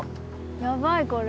やばいこれ。